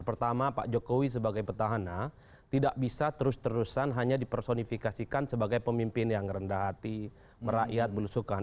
pertama pak jokowi sebagai petahana tidak bisa terus terusan hanya dipersonifikasikan sebagai pemimpin yang rendah hati merakyat belusukan